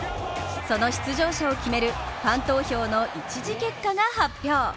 その出場者を決めるファン投票の１次結果が発表。